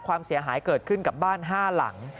ความเสียหายเกิดขึ้นกับบ้าน๕หลัง